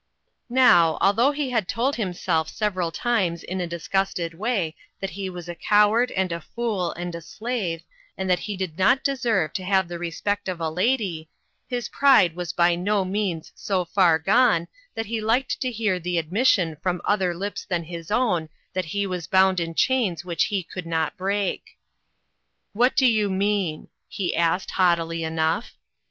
Now, although he had told himself sev eral times in a disgusted way that he was a coward, and a fool, and a slave, and that he did not deserve to have the respect of a lady, his pride was by no means so far gone that he liked to hear the admission from other lips than his own that he was bound in chains which he could not break. " What do you mean ?" he asked, haught ily enough.